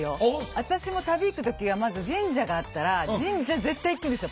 私も旅行く時はまず神社があったら神社絶対行くんですよ。